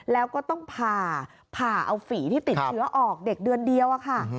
แล้วก็ต้องผ่าผ่าเอาฝีที่ติดเชื้อออกเด็กเดือนเดียวค่ะ